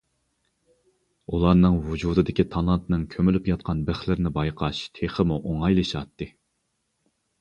ئۇلارنىڭ ۋۇجۇدىدىكى تالانتنىڭ كۆمۈلۈپ ياتقان بىخلىرىنى بايقاش تېخىمۇ ئوڭايلىشاتتى.